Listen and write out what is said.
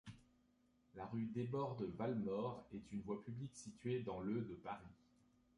La rue Desbordes-Valmore est une voie publique située dans le de Paris.